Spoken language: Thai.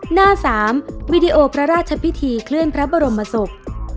หน้า๓วีดีโอพระราชพิธีเคลื่อนพระบรมศพ